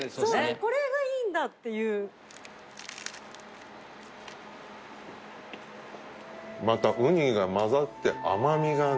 これがいいんだっていうまたウニが混ざって甘みがね